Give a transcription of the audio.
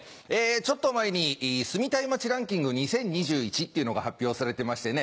ちょっと前に「住みたい街ランキング２０２１」っていうのが発表されてましてね